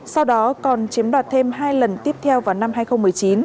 sau đó còn chiếm đoạt thêm hai lần tiếp theo vào năm hai nghìn một mươi chín